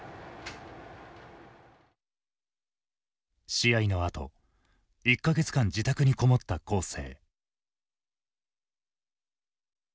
試合のあと１か月間自宅に籠もった恒成。